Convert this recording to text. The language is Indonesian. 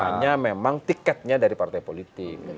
hanya memang tiketnya dari partai politik